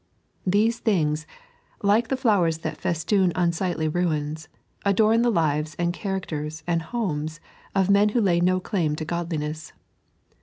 These things, like the fiowers that festoon unsightly ruios, adorn the lives and characters and homes of men' who lay no claim to godliness.